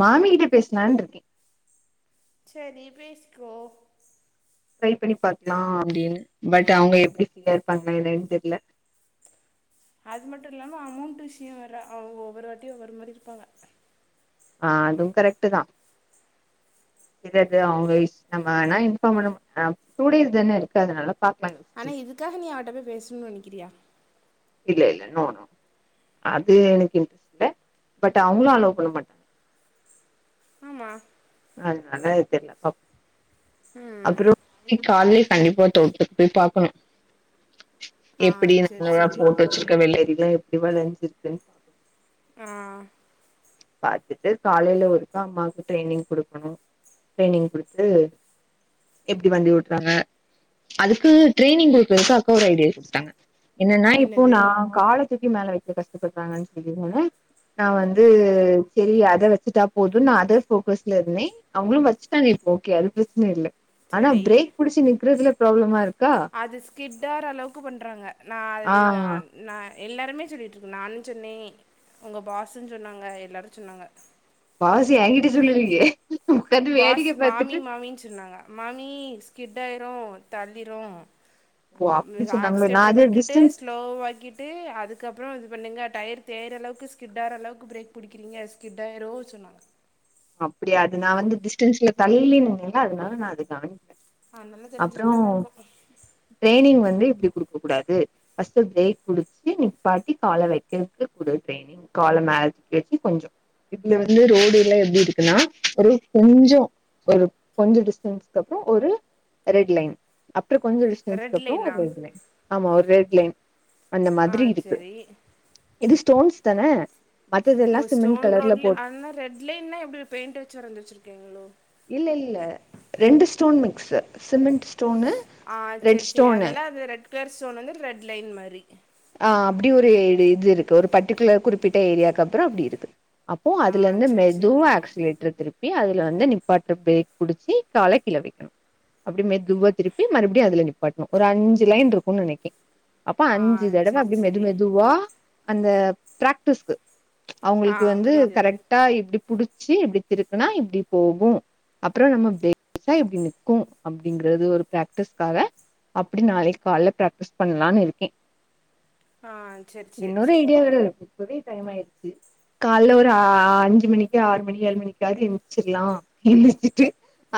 மாமிகிட்ட பேசுனான் இருக்கே சரி பேச்கோ ட்ரை பண்ணி பாத்துலா அப்டின்னு பட் அவங்க எப்டி ஃபீயா இருப்பாங்கா இல்லயான் தெரில அது மட்டு இல்லாம அமௌண்ட் விஷியோ வேற அவங்க ஒவ்வொரு வாட்டியு ஒவ்வொரு மாரி இருப்பாங்க ஆ அதுவு கரெக்டு தா சிலது அவங்க இஷ் நம்ம ஆனா இன்ஃபாம் பண்ணும் ஆ டூ டேஸ் தானே இருக்கு அதனால பாக்லா சரி கஹனிய அவட்ட பெய் பேச்ணுனு நெனைக்கிறியா இல்ல இல்ல நோ நோ அது எனக்கு இன்ட்ரெஸ்ட் இல்ல பட் அவங்களு அலோவ் பண்ண மாட்டாங்க ஆமா அதுனால தெரில பாப் ம் அப்புறோ நீ கால்லயே கண்டிப்பா தொட்டத்துக்கு போய் பாக்கணு ஆ எப்டி செரி எனக்குனூவா செரி போட்டு வச்சிருக்கே வெள்ளறிது எப்டிவா தெரிஞ்சிக்குனு ஆ பாத்துட்டு காலையில ஒருக்கா அம்மாக்கு ட்ரைனிங் குடுக்கணு ட்ரைனிங் குடுத்துடு எப்டி வண்டி ஓட்றாங்க அதுக்கு ட்ரரைனிங் குக்குறக்கு அக்கா ஒரு ஐடியாஸ் குடுத்தாங்க என்னன்னா இப்போ என்னது நா காலத்துக்கி மேல வைக்க கஷ்டப்படுறாங்கன் சொல்லிருந்தல நா வந்து சரி அத வச்சுட்டா போது நா அத ஃபோக்கஸ் எர்னி அவங்களு வச்சுட்டாங்க இப்போ ஓகே அது பிரச்சன இல்ல ஆனா சரி பிரேக் புடிச்சு நிக்குறதுல ப்ராப்ளமா இருக்கா அது ஸ்கிட்டாற அளவுக்கு பண்றாங்க நா அது ஆ நான் நா எல்லோருமே சொல்லிகிட்ருக்கு நானு சொன்னே உங்க பாஸு சொன்னாங்க எல்லாரு சொன்னாங்க பாஸ் எங்கிட்ட சொல்லிலயே பாஸ் மாமி மாமின்னு சொன்னாங்க மாமிஸ் கிட்டாயிரும் தள்ளிரும் ஓ அப்டி சொன்னாங்களோ நா ஆக்ஸ்டேட்டர அது விட்டுட்டு டிஸ்டன்ஸ் ஸ்லோவ ஆக்கி விட்டு அதுக்கப்புற இது பண்ணுங்க டயர் தேயிற அளவுக்கு ஸ்கிட்டாகுற அளவுக்கு பிரேக் பிடிக்கிறீங்க ஸ்கிட்டாயிரு சொன்னாங்க அப்டியா அது நா வந்து டிஸ்டன்ஸ்ல தள்ளினா அதுனால நா அது நாள [inaudible] அ நல்ல தெரிஞ்சிருக்காதா இருக்கு ட்ரைனிங் வந்து இப்டி குடுக்க கூடாது ஃபஸ்ட்டு பிரேக் பிடிச்சு நிப்பாட்டி கால வைக்கிறதுக்கு குடு ட்ரைனிங் கால மேல் தூக்கி வச்சு கொஞ்சோ இதுல வந்து ரோடுல எப்டி ருன்னா ஒரு கொஞ்சோ ஒரு கொஞ்சோ டிஸ்டன்ஸ்கு அப்புற ஒரு ரெட் லைன் அப்புறம் கொஞ்ச டிஸ்டன்ஸக்கு ரெட் அப்புறம் லைனா ஒரு ரெட் லைன் ஆமா ஒரு ரெட் லைன் அந்த ஆ மாதிரி இருக்கு சரி இது ஸ்டோன்ஸ் தான மத்தது எல்லாம் சிமெண்ட் கலர்ல போட்டு ன்னு ரெட் இல்லைனா எப்டி பெயிண்ட் வச்சு வரைஞ்சு வச்சருக்கங்களோ இல்ல இல்ல ரெண்டு ஸ்டோன் மிக்ஸு சிமெண்ட் ஸ்டோனு ஆ ரெட் சேரி சேரி ஸ்டோனு அதனால அந்த ரெட் கலர் ஸ்டோன் வந்து ரெட் லைன் மாரி ஆ அப்டி ஒரு இ இது இருக்கு ஒரு பர்டிகுலர் குறிப்பிட்ட ஏரியாக்கு அப்புறம் அப்டி இருக்கு அப்போ ஆ அதுலேருந்து சரி சரி மெதுவா ஆக்சிலேட்டர் திரு மே அதுல வந்து நிப்பாட்ட பிரேக் புடிச்சி கால கிழ வைக்கணும் அப்டிமே துவ திருப்பி மறுபடி அதுல நிப்பாட்டணு ஒரு அஞ்சு லைன் ருக்கு நனைக்கிறேன் ஆ சரி அப்டி மெது சரி மெதுவா அந்த பிராக்டிஸ்கு ஆ அவுங்களுக்கு வந்து புரியுது கரெக்ட் ட்டா இருக் இப்டி புடிச்சி இப்டி திருக்குனா இப்டி போகு அப்புற நம்ம பேசி கா இப்டி நிக்கு அப்படிங்கறது ஒரு பிராக்டிஸ்காக அப்டி நாளைக் கால்ல பிராக்டிஸ் பண்ணலான் இருக்கே ஆ செரி செரி இன்னொரு செரி இடியா வேற இருக் இப்பவே டைம் ஆயிடுச்சு காலைல ஒரு ஆ அஞ்சு மணிக்கு ஆறு மணி ஏழு மணிக்காவது எந்திரிச்சிருலா எந்திச்சிட்டு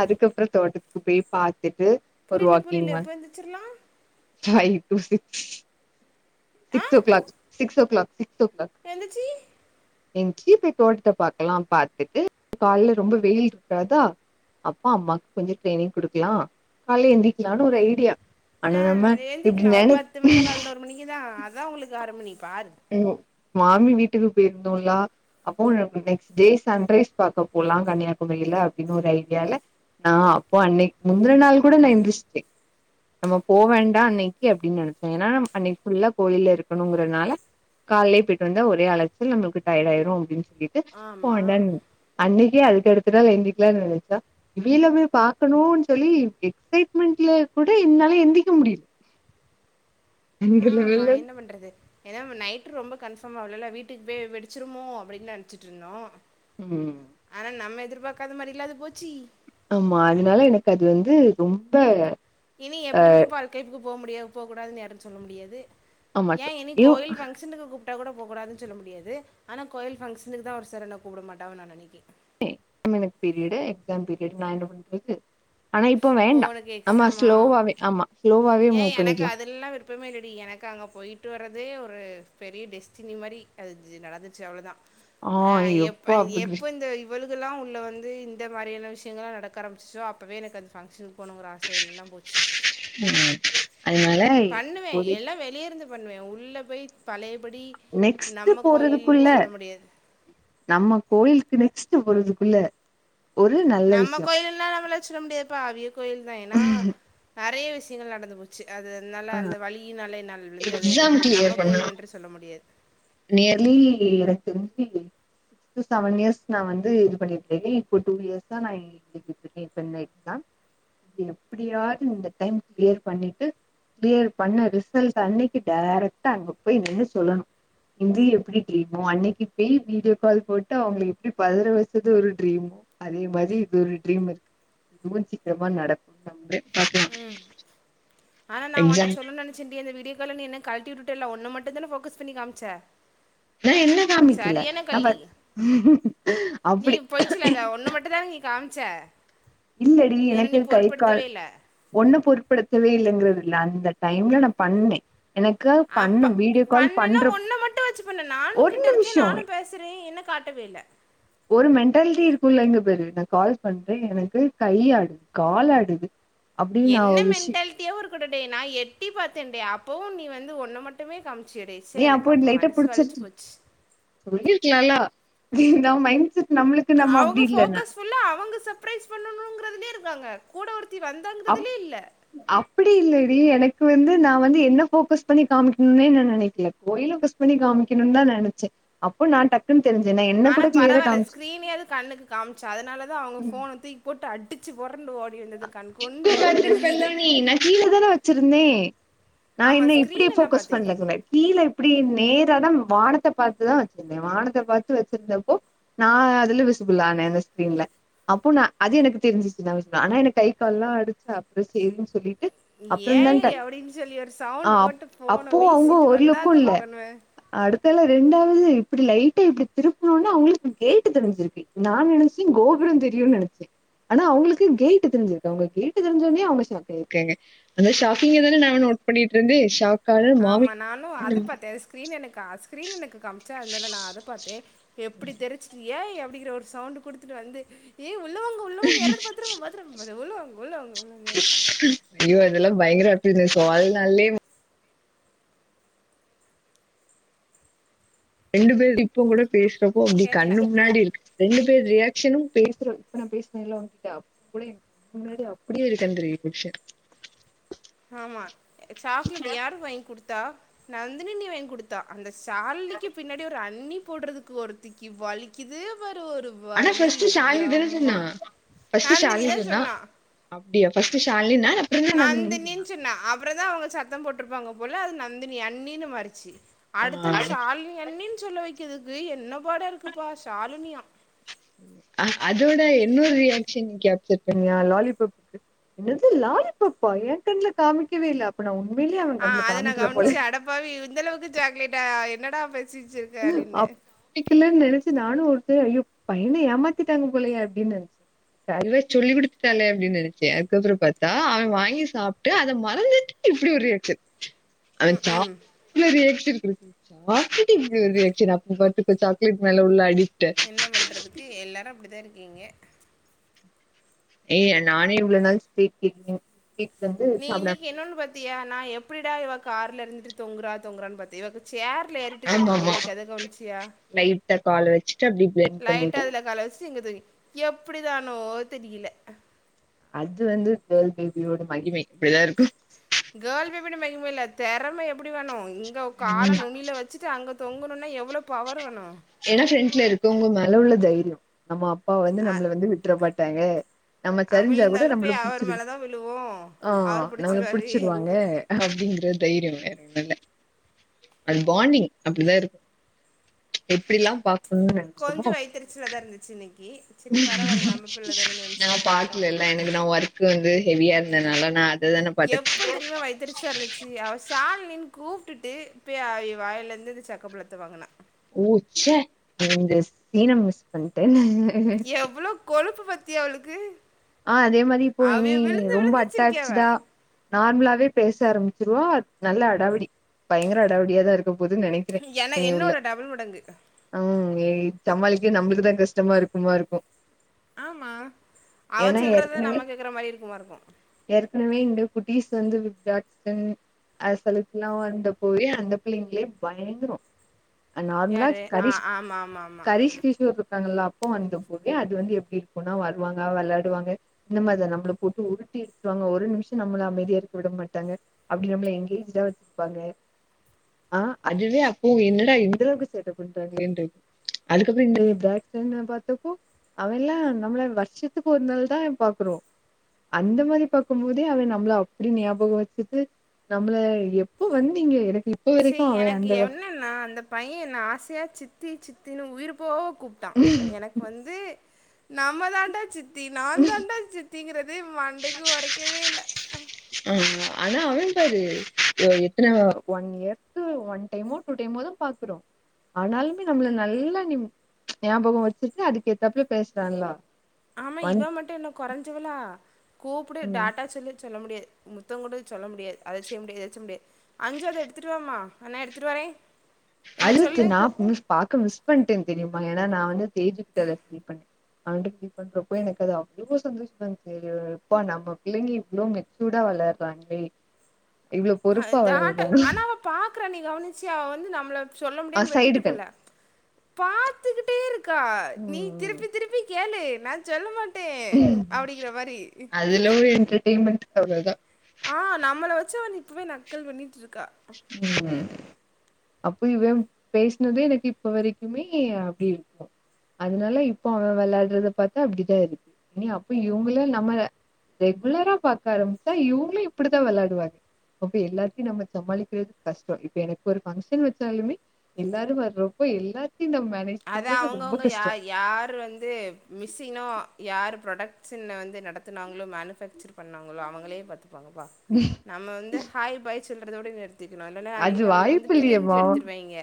அதுக்கப்புற தோட்டத்துக்கு பேய் பாத்துட்டு ஒரு புரில வாக்கிங் புரில மாரி எப்போ எந்திரிச்சிர்லா ஃபை டு சிக்ஸ் ஆ six o'clock six o'clock six o'clock எந்திச்சி என்சி போய் தோட்டத்த பாக்கலா பாத்துட்டு கால்ல ரொம்ப வெயில் ருக்காதா அப்பா அம்மாக்கு கொஞ்ச ட்ரைனிங் குடுக்கலா காலைல எந்திரிக்கலானு ஒரு ஐடியா ஆனா நம்ம இப்டி நென த்து மணிக்குதா அதா உங்ளுக்கு ஆறு மணி பாரு ம் மாமி வீட்டுக்கு போயிந்தோல்லா அப்போ நெக்ஸ்ட் டே சன்ரைஸ் பாக்க போலா கன்னியாகுமரியில அப்டின்னு ஒரு ஐடியால நா அப்போ அன்னைக்கு முந்தின நாள் கூட நா எந்திஸ்ட்டே நம்ம போ வேண்டா அன்னைக்கு அப்டின்னு நெனச்சே ஏன்னா அன்னைக்கு ஃபுல்லா கோயில்ல இருக்கணுங்குறனால காலையிலே போயிட்டு வந்தா ஒரே அழச்சல் நம்மளுக்கு டயர்ட் ஆயிரு அப்டின்னு சொல்லிட்டு போ ஆமா வேண்டான்னு அன்னைக்கே அதுக்கடுத்த நாள் எந்திக்கலானு நெனச்சா வெயில வந்து பாக்கணுன்னு சொல்லி எக்ஸைட்மெண்ட்ல கூட என்னால எந்திரிக்க முடியி ஆமா என்ன பண்றது ஏன்னா நம்ம நைட்டு ரொம்ப கன்ஃபார்ம் ஆவலேல வீட்டுக்கு போய் வெடிச்சிருமோ அப்டின்னு நெனச்சிட்டுருந்தோ ம் ஆனா நம்ம எதிர்பாக்காத மாரில்ல அது போச்சி ஆமா அதுனால எனக்கு அது வந்து ரொம்ப இனி எப்டியுமே பால் கைப்புக்கு போ முடிய போக்கூடாதுனு யாரு சொல்ல முடியாது ஆமா சோ ஏன் இனி ஐயோ கோயில் பங்க்ஷ ஃபங்ஷனுக்கு கூப்டா கூட போகூாதுனு சொல்ல முடியாது ஆனா கோயில் ஃபங்ஷனுக்கு தா ஒரு செரன கூப்ட மாட்டாங்க நா நெனக்கி ஏ தம்மீன் பீரியடு எக்ஸாம் பீரியடு நா என்ன பண்றது ஆனா இப்ப ஓ வேண்டா உனக்கு ஆமா எக்ஸாமா ஸ்லோவாவே ஆமா ஸ்லோவாவே மூவ் பண்ணிக்கலா ருப்பமே இல்லடி எனக்கு அங்க போயிட்டு வர்றதே ஒரு பெரிய டெஸ்டினி மாரி அது நடந்துச்சு அவ்ளோதா ஆ ஆஹ் எப் எப்பா அப்படி எப்ப இந்த யு இவழுகலெலா உள்ள வந்து இந்த மாரியான விஷயங்களா நடக்க ஆரமிச்சுசோ அப்பவே எனக்கு அந்த ஃபங்க்ஷனுக்கு போணுகிற ஆ ச எல்லா போச்சு உம் அதனால பண்ணுவே இப்போதைக்கு எல்லா வெளிய இருந்து பண்ணுவே உள்ள போய் பழையபடி நெக்ஸ்ட்டு நம்ம கோயில்னு போறதுக்குள்ள சொல்ல முடியாது நம்ம கோயிலுக்கு நெக்ஸ்ட்டு போறதுக்குள்ள ஒரு நல்ல நம்ம விஷயோ கோயில்லலா நம்மள சொல்ல முடியாதுப்பா அவிய கோயில்தா எனா நெறைய விஷயங்கள் நடந்து போ ச்சு அது அதனால அந்த வலியினால என்னால் விழுந்ததை எக்ஸாம் கிளியர் நம்ம பண்ணணு கோயில் என்று சொல்ல முடியாது நியர்லி எனக்கு தெரிஞ்சி து செவன் இயர்ஸ் நா வந்து இது பண்ணிட்டு இருக்கே இப்போ டூ இயர்ஸ்தா நை தூக்கிட்ருக்கே இப்ப இந்த எக்ஸாம் இத எப்டியாது இந்த டைம் கிளியர் பண்ணிட்டு கிளியர் பண்ண ரிசல்ட் அன்னைக்கு டேரெக்ட்டா அங்க போய் நின்னு சொல்லணு இது எப்டி ட்ரீமோ அன்னைக்கி போய் வீடியோ கால் போட்டு அவுங்கள எப்டி பதற வச்சது ஒரு ட்ரீமோ அதே மாரி இது ஒரு ட்ரீம்மு இருக்கு இதுவு சீக்கிரமா நடக்கும்னு நம்புறே ஓகேங்க ஆனா நா ஓன்ட்ட சொல்லனு நெனைச்சேன்டி அந்த வீடியோ கால்ல நீ என்ன கழட்டி விட்டுட்டேல உன்ன மட்டுந்தான ஃபோக்கஸ் பண்ணி காமிச்ச நா என்ன காமிக்கல சரியான நா பா கள்ளி நீ அப்டி பொய் சொல்லாத ஒன்ன மட்டுந் தான நீ காம்ச்ச இல்லடி எனக்கு வேற கை கால் ஒண்ண பொருட்படுத்தவே இல்லேங்கறத இல்ல அந்த டைம்ல நா பண்ணே எனக்கா பண்ணு வீ பண்ணனா ஒன்ன மட்டு வச்சு பண்ண நானு ஒரு கிட்டருக்கே நிமிஷோ நானு பேசுறே என்ன காட்டவே இல்ல ஒரு மென்டாலிட்டி இருக்குல இங்க பாரு நா கால் பண்றே எனக் கு கை ஆடுது காலாடுது என்ன மென்டாலிட்டியாவுருக்கடே நா எட்டி பாத்தேடே அப்பவு நீ வந்து ஒன்ன மட் டுமே காம்ச்சேயேடே சே ஏ எனக்கு அப்ப மனசு வலிச்சு போச்சு சொல்லிருக்கலாலா நா மைண்ட் செட் நம்மளுக்கு நம்ம அவுங்க அப்டி இல்லனா ஃபோக்கஸ் ஃபுல்லா அவுங்க சர்பிரைஸ் பண்ணணுங்கிறதுலேயே இருக்காங்க கூட ஒருத்தி வந் அம் அப்டி இல்லடி எனக்கு வந்து நா வந்து என்ன ஃபோக்கஸ் பண்ணி காமிக்கணுனே ந நெனக்கல கோயிலருக்க சு இது பண்ணி காமிக்கணு தா நெனச்சே அப்போ நா டக் குனு தெரிஞ்சேனே ஆனா பரவால ஸ்க்ரீன் யாவது கண்ணுக்கு காமிச்ச அதுனால தா அவுங்க ஃபோன தூக்கி போட்டு அட் டிச்சு பொறண்டு ஓடி வந்தது கண் கொண்டு பாக்க முடிஞ்சிது ஏ நா கீழ தான வச்சிருந்தே நா ஆமாம் என்ன இப்டி ஸ்க்ரீனை நான் ஃபோக்கஸ் பார்த்தேன் பண்ணலங்க முன்னாடி கீழ இப்டி நேரா தான் வானத்த பாத்துதா வச்சிருந்தே வானத்த பாத்து வச்சிருந்தப்போ நா அதுல விசிபில்லானே அந்த ஸ்கிரீல அப்போ நா அது எனக்கு தெரிஞ்சிச்சு நா விசி ஆனா எனக்கு கை கால் எல்லா ஆடுச்சு அப்பறோ சேரின்னு சொல்லிட்டு நீ அப்றோ தா ஏய் டக் அப்டின்னு சொல்லி ஒரு ஆ சவுண்ட் அப் போட்டு ஃபோன அப்போ அவங்க வீசிட்டு ஒரு லுக்கு வந்தாங்க இல்ல பாக்கணுவே அடுத்தால ரெண்டாவது இப்டி லைட்டா இப்டி திருப்ணோனோ அவுங்களுக்கு கேட்டு தெரிஞ்சிருக்கு நா நெனச்சே கோபுரே தெரியுனு நெனச்சே ஆனா அவுங்களு க்கு கேட்டு தெரிஞ்சுக்கு அவுங்க கேட்டு தெரிஞ்சோனே அவுங்க ஷாக்காயிருக்காங்க அந்த ஷாக்கிங்க தான நாங்க நோட் பண்ணிட்டுருந்தே ஷாக் ஆமா நானு அது பாத்தே அது ஸ்கிரீன் எனக்கா ஸ்கிரீன் எனக்கு காம்ச்சா இருந்தன நா அத பாத்தே எப்டி தெரிச்சுட்டு ஏய் அப்டிங்கிற ஒரு சவுண்ட் குடுத்துட்டு வந்து ஏ உள்ள வாங்க உள்ள வாங்க யாராது பாத்துருவாங் பாத் துரும்போத உள்ள வாங்கோ உள்ள வாங்கோ அயோ இதெல்லா பயங்கர அப்பினஸ் சோ வாழ்நாள்ளே ரெண்டு பேரு இப்போங் கூட பேசுறப்போ அப்டி கேக்கல கண்ணு முன்னாடி இருக்கு ரெண்டு பேர் ரியாகஷனு பேசறப் கண் முன்னாடி அப்டியே இருக்கு அந்த [unintelligible] ஷன் ஆமா சாக்லேட் யாருக் வாங்கி குடுத்தா நந்தினினி வாங்கி குடுத்தா அந்த சாலினிக்கு பின்னாடி ஒரு அண்ணி போடுறதுக்கு ஒருத்தி க்கி வலிக்குது பாரு ஒரு ஆனா வலி ஃபர்ஸ்ட்டு ஷாலினி தானே எம்மா சொன்னா. ஃபர்ஸ்ட்டு ஷாலினி சால்னினிதா சொன்னா அப்டியா ஃபஸ்ட் ஷாலினிந்தான நந்தினின் சொன்னா அப்பறந்தா அவங்க சத்தம் போட்டிருப்பாங்க போல அது நந்தினி அண்ணின் மாறுச்சு அடுத்தல ஷாலினி அண்ணின் சொல்ல வைக்கதுக்கு என்ன பாடா இருக்குப்பா ஷாலினியா அதோட என்னொரு ரியாக்ஷன் நீ கேப்சர் பண்ணியா லாலிபப்புக்கு என்னது லாலிபப்பா எங் கண்ல காமிக்கவே இல்ல அப்ப நா உண்மையிலே அவ கண்ல காமிக்கல போலே பாவி இந்தளவுக்கு சாக்லேட்ட என்னடா பேசிஜ் அப் திக்கல்லன் நெனைச்சு நானு ஒரு டயோ அயோ பையன ஏமாத்திட்டாங்க போலயே அப்டின் நெனச் கா இவே சொல்லி குடுத்துட்டாளே அப்டின் நெனச்சே அதுக்கப்பறோ பாத்தா அவெ வாங்கி சாப் ட்டு அத மறந்துட்டு இப்டி ஒரு ரியாக்ஷன் அவன் ம் [inaudible] ம் சாக்லேட்டுக்கு எப்டி ரியாக்ஷன் அப்ப பாத்துக்கோ சாக்லேட் மேல உள்ள அடிக்ட்ட என்ன பண்றதுக்கு எல்லாரு அப்டிதா இருக்கீங்க ஏங்க நானே இவ்ளோ நாள் ஸ்வீட் [unintelligible] ஸ்வீட் வந்து நீ சாப்டாம இன்னைக்கு இன்னோனு பாத்தியா நா எப்டிடா இவ கார்ல இருந்துட்டு தூங்குறா தூங்குறன் பாத்த இவக சேர் ல ஏறிட்டு தூங்குறா நீ ஆமாமா இன்னைக்கு அத கவனிச்சியா லைட்டா கால வச்சுட்டு அப்டி பிளெண்ட் லைட்டா பண்ணிட்டு அதுல கால வச்சு இங்க தூங்கி எப்டிதானோ தெரியல அது வந்து கேர்ள் பேபியோட மகிமை இப்டிதா இருக்கு கேர்ள் பேபியோட மகிம இல்ல தெறம எப்டி வேணு இங்க கால நுனியில வச் சுட்டு அங்க தொங்கணுனா எவ்ளோ பவர் வேணு ஏன்னா ஃப்ரன்ட்ல இருக்கோவ்ங்க மேல உள்ள தைரியொ நம்ம அப்பா வந்து நம்மள வந்து விட்ற மாட்டாங்க நம்ம ஆ, சரிஞ்சா கூட விழுந்தாலும் நம்மள போய் அவர் புடிச்சிரு மேல தான் விழுவோம் ஆ அவர் நம்மள பிடிச்சிருவாரு புடிச்சிருவாங்க அப்படிங்கற தைரியொ வேற ஒன்னுல்ல அது பாண்டிங் அப்டிதா இருக்கு எப்டில்லா பாக் கொஞ்சொ வைத்தரிச்சிலதா இருந்துச்சு இன்னைக்கு சரி பரவாயில்ல நம்ம பிள்ளை தானே நா நினச்சிட்டு விட்டுட்டேன் பாக்லல்ல எனக்கு நா ஒர்க்கு வந்து ஹெவியா இருந்தனால நா அததான பாத்த எப் ப்பந் தெரியுமா வயித்தெரிச்சலா இருந்துச்சு அவ ஷால்னின்னு கூப்ட்டுட்டு போய் அவ வாயலேருந்து இந்த சக்க பழத்த வாங்குனா ஒ ச்சே இந்த சீன மிஸ் பண்ட்டனே எவ்ளோ கொழுப்பு பாத்தியா அவளுக்கு ஆ அதே மாரி இப்போ அவ இனி விழுந்து ரொம்ப விழுந்துச்சிருக்கியாவ அட்டாக்ச்சுடா நார்மலாவே பேச ஆரம்மிச்சிருவா நல்ல அடாவடி பயங்கர அடாவடியாதா இருக் க போது நெனைக்கிறே என இனி உள்ள என்னோட டபுள் மடங்கு அம் எ சமாளிக்கே நம்மளுக்குதா கஷ்டமா இருக்குமா இருக்கு ஆமா அவ ஏன்னா சொல்றதா ஏற்கனவே நம்ம கேக்ற மாரி இருக்குமா இருக்கு ஏற்கனவே இந்த குட்டீஸ் வந்து [unintelligible] அத சொல்லிக்குலா வந்த போய் அந்த பிள்ளைங்களே பயங்கரொ அ நார்மலா யாரு ஆ கரிஷ் ஆமா ஆமா ஆமா கரிஷ் கிரிஷ்னு ஒருத்தர் ருப்பாங்கள்ளா ப வந்த போது அது வந்து எப்டிருக்கூனா வருவாங்க வெளாட் டுவாங்க இந்த மாரி நம்ம போட்டு உருட்டி எடுத்துருவாங்க ஒரு நிமிஷ நம்மள அமைதியா இருக்க விட மாட்டாங்க அப்டி நம்மள எனங்கேஜ்டா வச்சிப்பாங்க ஆ அதுவே அப்போ என்னடா இந்தளவுக்கு சேட்ட பண்றாங்களன்ட்ரு அதுக்கப்றோ இந்த பேக்சைன்னா பாத்தப்போ அவெல்லா நம்மள வருஷத்துக் ஒரு நாள் தா பாக்குறோ அந்த மாரி பாக்கும் போதே அவை நம்மள அப்டி ஞாபகோ வச்சுட்டு நம்மள எப்போ வந்தீங்க எனக்கு இப்ப சீ வரைக்கு அவ எனக்கு அந்த என்னன்னா அந்த பைய என்ன ஆசையா சித்தி சித்தின் உயிர் போவ கூப்ட்டா எனக்கு வந்து நம்ம தான்டா சித்தி நாந்தாண்டா சித் திங்கிறது மண்டைக்கு ஒரைக்கவேல்ல ஆ ஆனா அனந்த் சாரு எத்தன ஒன் இயர்க்கு ஒன் டைமோ டூ டைமோ தா பாக்குறோ ஆனாலுமே நம்மள நல்லா ஞாபகோ வச்சுட்டு அதுக்கேத்தாப்புலே பேசுறால்லா ஆமா இவ மட்டு என்ன கொறைஞ்சவளா கூப்புடு ம் டாட்டா சொல்லு சொல்ல முடியாது முத்தோ குடு சொல்ல முடியாது அத செய் முடியாது இத செய் முடியாது அஞ்சு அத எடுத்துட்டு வாமா அ நா எடுத்துட்டு வரே என்ன அடுத்து சொல்லு நா மிஸ் பாக்க மிஸ் பண்ட்டே தெரிமா ஏனா நா வந்து தேஜுகிட்ட இத ஃபீல் பண்ணே அனுப்டி பண்றப்போ எனக்கு அது அவ்ளோ சந்தோஷமாந்த்ச்சி பா நம்ம பிள்ளைங்க இவ்ளோ மெச் சூடா வளர்றாங்ளே இவ்ளோ பொறுப்பா வளர்றாங் பாக்குற நீ கவனிச்சியா அவ வந்து நம்மள சொல்ல ஆ முடியன் வெட்டிட்டு சைடு கண் போல பாத்துக்கிட்டே இருக்கா நீ ம் திருப்பி திருப்பி கேளு நா சொல்ல மாட் ட்டே ம் அப்டிங்கிற மாரி அதுல ஒரு எண்டர்டைமெண்ட் அவ்ளதா ஆ நம்மள வச்சு அவ இப்பவே நக்கல் பண்ணிட்ருக்கா ம் அப்போ இவம் பேசினதே எனக்கு இப்ப வரைக்குமே அப்டி இருக்கூ அதுனால இப்போ அவன வெளாடுறத பாத்தா அப்டிதா இருக்கு இனி அப்போ இவுங்கள நம ரெகுலரா பாக்க ஆரம்பிச்சா இவுங்களு இப்பிடித்தா வெளாடுவாரு அப்ப எல்லாத்தையு நம்ம சமாளிக்கிறது கஷ்டோ இப்ப எனக்கு ஒரு ஃபங்க்ஷன் வச்சாலுமே எல்லாரு வர்றப்ப எல்லாத்தையு நம் மேனேஜ் அத பண்றது ரொம்ப அவுங்கவுங்க யா கஷ்டம். யார் வந்து மிஸ்ஸினோ யார் ப்ராடக்ட்ஸன் வந்து நடத்துனாங்களோ மேனுஃபேக்சர் பண்ணாங்களோ அவங்களே பாத்துப்பாங்கப்பா ம் நம்ம வந்து ஹாய் பாய் சொல்றதோட நிறுத் திர்ணு இல்லனா அது அன்னைக்கி நம்மள வந்து வாய்ப்பு பிழிஞ்சு இல்லையேமா எடுத்துடுவாய்ங்க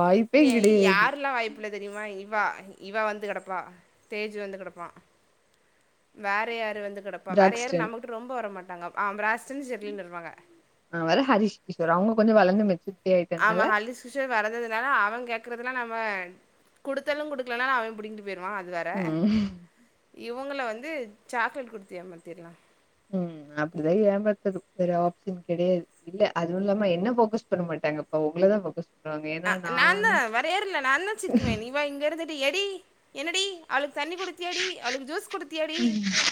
வாய்ப்பே இதை கிடையாது. யார் ல்லா வாய்ப்பில்ல தெரிமா இவா இவா வந்து கெடப்பா தேஜு வந்து கெடப்பா வேற யாரு வந்து கெடப்பா வேற யாரூ பிராக்ஸ்டன் நமட்ட ரொம்ப வரமாட்டாங்க ஆ ப்ராஸ்டின் செர்லினுருவாங்க ஆ வேற ஹரிஷ் கிஷோர் அவுங்க கொஞ்ச வளந்து மெச்சூர் ஆமா ஹலிஸ் கிஷோ வளந்ததுனால அவ கேக்குறதுலா நம்ம குடுத்தாலு குடுக்கலனாலு அவ புடிங்கிட்டு போயிருவா து வேற ம் இவுங்கள வந்து சாக்லேட் குடுத்து ஏமாத்திர்லா ம் அப்டிதா ஏமாத்துற வேற ஆப்ஷன் கெடையாது இல்ல அது இல்லாம என்ன போக்கஸ் பண்ண மாட்டாங்கப்பா உங்கள தா போக்கஸ் ஆ நான்தா வரையற்ல நான்தா சிக்குவே இவா இங்கருந்து எடி என்னடி அவளுக்கு தண்ணி குடுத்தாயாடி அவளுக்கு ஜூஸ் குடுத் ம்